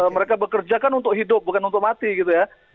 mereka bekerja kan untuk hidup bukan untuk mati gitu ya